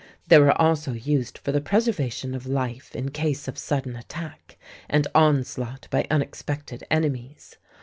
They were also used for the preservation of life in case of sudden attack and onslaught by unexpected enemies.